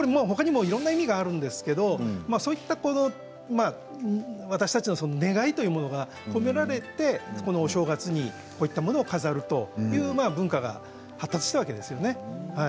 ほかにもいろんな意味があるんですけれど私たちの願いというものが込められてこのお正月にこういったものを飾るという文化が発達したわけですね。